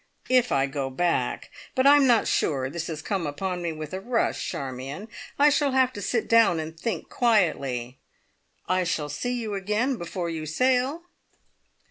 If I go back. But I'm not sure. This has come upon me with a rush, Charmion. I shall have to sit down, and think quietly. I shall see you again before you sail?"